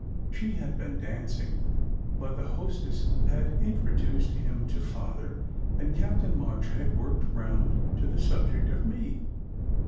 She had been dancing. But the hostess had in troduced him to Father, and Captain March had worked round to the subject of me.